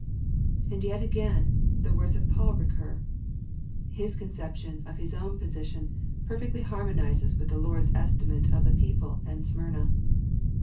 And yet again, the words of Paul recur. His conception of his own position perfectly harmonizes with the Lord's estimate of the people in Smyrna.